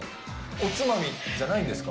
おつまみじゃないんですか？